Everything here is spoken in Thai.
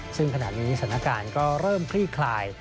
ซึ่งขณะนี้สถานการณ์ก็เริ่มคลี่คลาย